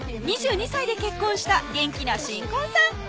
２２歳で結婚した元気な新婚さん